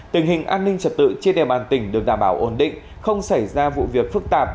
tình hình an ninh trật tự trên địa bàn tỉnh được đảm bảo ổn định không xảy ra vụ việc phức tạp